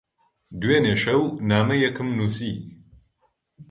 دوێنێ شەو نامەیەکم نووسی.